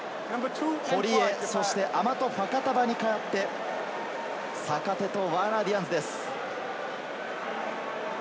堀江、そしてアマト・ファカタヴァに代わって坂手とワーナー・ディアンズです。